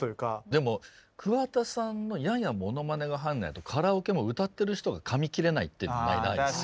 でも桑田さんのややものまねが入んないとカラオケも歌ってる人がかみ切れないっていうのがないですか？